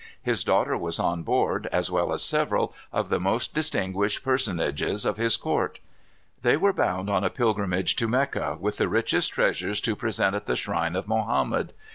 His daughter was on board, as well as several of the most distinguished personages of his court. They were bound on a pilgrimage to Mecca, with the richest treasures to present at the shrine of Mohammed.